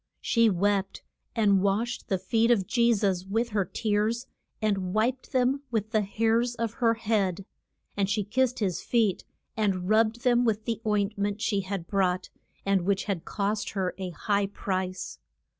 She wept, and washed the feet of Je sus with her tears, and wiped them with the hairs of her head. And she kissed his feet, and rubbed them with the oint ment she had brought, and which had cost her a high price.